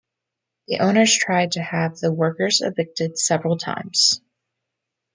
The owners tried to have the workers evicted several times.